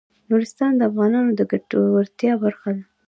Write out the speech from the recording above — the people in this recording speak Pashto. نورستان د افغانانو د ګټورتیا برخه ده.